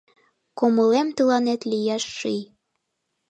Кумылем тыланет лиеш ший.